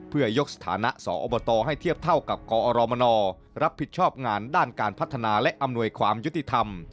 เพื่อยกสถานะสอบตให้เทียบเท่ากับกอรมนรับผิดชอบงานด้านการพัฒนาและอำนวยความยุติธรรม